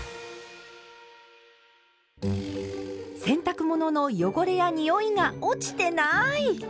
洗濯物の汚れやにおいが落ちてない！